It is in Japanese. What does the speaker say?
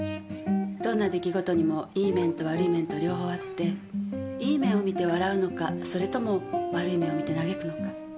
どんな出来事にもいい面と悪い面と両方あっていい面を見て笑うのかそれとも悪い面を見て嘆くのか。